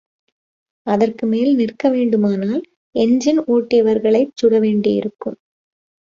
அதற்கு மேல் நிற்க வேண்டுமானால் எஞ்சின் ஒட்டியவர்களைச் சுடவேண்டியிருக்கும்.